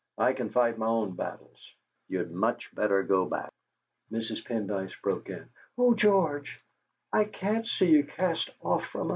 I can fight my own battles. You'd much better go back." Mrs. Pendyce broke in: "Oh, George; I can't see you cast off from us!